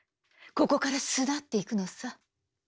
ここから巣立っていくのさ。